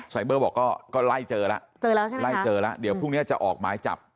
ใส่เบอร์บอกก็ไล่เจอแล้วเดี๋ยวพรุ่งนี้จะออกหมายจับ